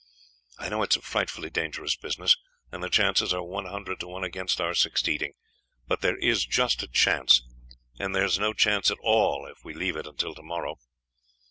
I know it is a frightfully dangerous business, and the chances are one hundred to one against our succeeding; but there is just a chance, and there is no chance at all if we leave it until tomorrow.